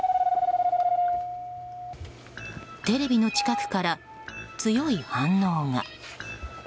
テレビの近くから強い反応が。